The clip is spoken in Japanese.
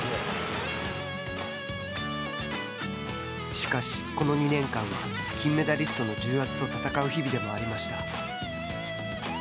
しかし、この２年間は金メダリストの重圧と闘う日々でもありました。